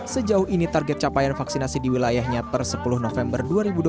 sejauh ini target capaian vaksinasi di wilayahnya per sepuluh november dua ribu dua puluh